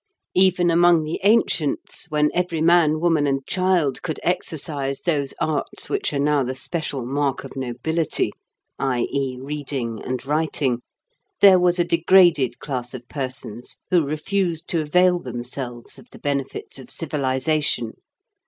Even among the ancients, when every man, woman, and child could exercise those arts which are now the special mark of nobility, i.e. reading and writing, there was a degraded class of persons who refused to avail themselves of the benefits of civilization.